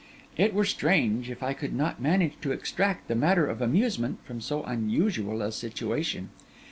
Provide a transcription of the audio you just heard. It were strange if I could not manage to extract the matter of amusement from so unusual a situation.